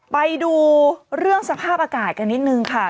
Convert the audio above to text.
ไปดูเรื่องสภาพอากาศกันนิดนึงค่ะ